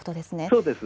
そうです。